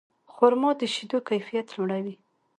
خرما د شیدو کیفیت لوړوي.